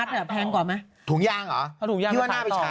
แล้วดูออนไลน์อยู่